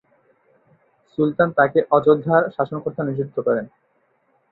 সুলতান তাকে অযোধ্যার শাসনকর্তা নিযুক্ত করেন।